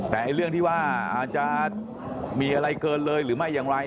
แต่เรื่องที่ว่าอาจจะมีอะไรเกินเลยหรือไม่อย่างไร